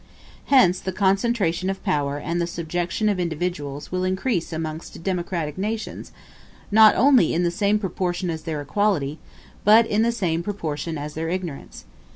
Hence the concentration of power and the subjection of individuals will increase amongst democratic nations, not only in the same proportion as their equality, but in the same proportion as their ignorance.